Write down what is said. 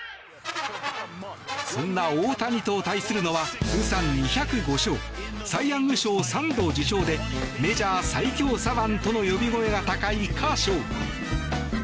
そんな大谷と対するのは通算２０５勝サイ・ヤング賞３度受賞でメジャー最強左腕との呼び声高いカーショー。